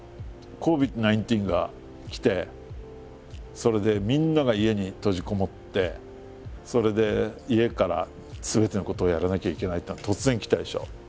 それでみんなが家に閉じこもってそれで家からすべてのことをやらなきゃいけないっていうのが突然来たでしょ。